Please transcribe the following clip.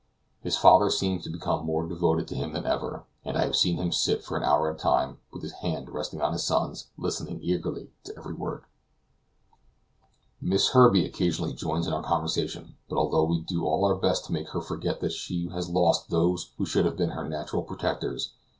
His father seems to become more devoted to him than ever, and I have seen him sit for an hour at a time, with his hand resting on his son's, listening eagerly to his every word. Miss Herbey occasionally joins in our conversation, but although we all do our best to make her forget that she has lost those who should have been her natural protectors, M.